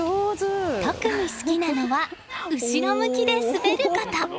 特に好きなのは後ろ向きで滑ること。